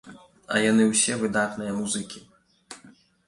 А яны ўсе выдатныя музыкі.